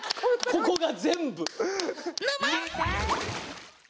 ここが全部。